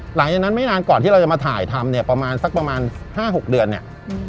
หลังจากนั้นไม่นานก่อนที่เราจะมาถ่ายทำเนี่ยประมาณสักประมาณ๕๖เดือนเนี่ย